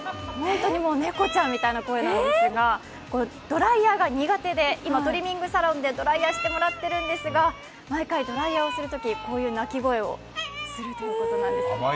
猫ちゃんみたいな声なんですが、ドライヤーが苦手で、今トリミングサロンでドライヤーをかけてもらってるんですが毎回ドライヤーをするときこういう鳴き声をするということなんです。